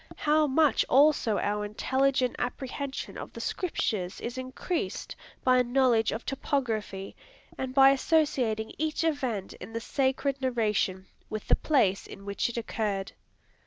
How much also our intelligent apprehension of the scriptures is increased, by a knowledge of topography, and by associating each event in the sacred narration with the place in which it occurred?